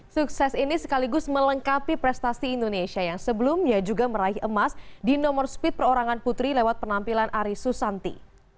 sukses ini sekaligus melengkapi prestasi indonesia yang sebelumnya juga meraih emas di nomor speed perorangan putri lewat penampilan aris susanti